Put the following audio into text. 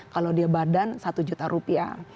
kalau dia badan satu juta rupiah